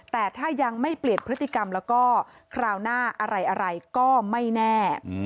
แต่ถ้ายังไม่เปลี่ยนพฤติกรรมแล้วก็คราวหน้าอะไรก็ไม่แน่